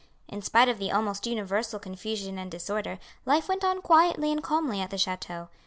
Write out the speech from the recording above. In spite of the almost universal confusion and disorder, life went on quietly and calmly at the chateau.